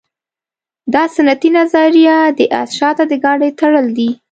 دا سنتي نظریه د اس شاته د ګاډۍ تړل دي.